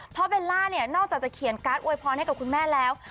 เพราะเบลล่าเนี่ยนอกจากจะเขียนการ์ดอวยพรให้กับคุณแม่แล้ว